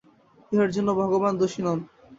ইহার জন্য ভগবান দোষী নন।